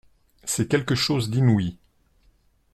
C'est quelque chose d'inouï.